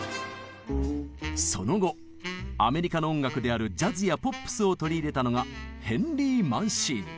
その後アメリカの音楽であるジャズやポップスを取り入れたのがヘンリー・マンシーニ。